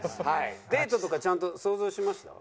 デートとかちゃんと想像しました？